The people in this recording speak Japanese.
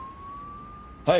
はい。